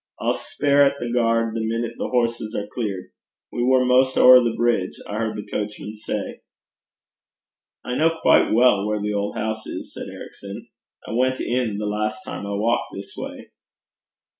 I'll speir at the gaird, the minute the horses are clear. We war 'maist ower the brig, I heard the coachman say.' 'I know quite well where the old house is,' said Ericson. 'I went in the last time I walked this way.'